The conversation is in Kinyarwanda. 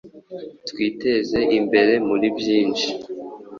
twiteze imbere muri byinshi.